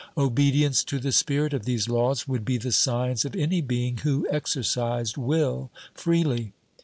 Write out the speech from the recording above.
Obedience to the spirit of these laws would be the science of any being who exercised will freely.